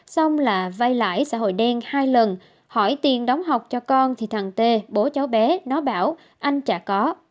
xong là vay lại xã hội đen hai lần hỏi tiền đóng học cho con thì thằng t bố cháu bé nó bảo anh chả có